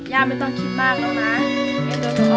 ย่าไม่ต้องคิดมากต่อหลังละนะ